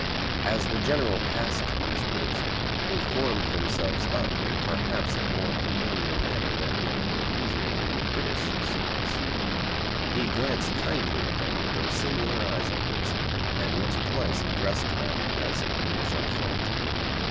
As the General passed these groups, who formed themselves up in perhaps a more familiar manner than would have been usual in the British service, he glanced kindly at them with those singular eyes of his, and once or twice addressed them as 'Mes enfants.'